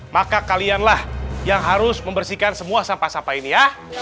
maka kalianlah yang harus membersihkan semua sampah sampah ini ya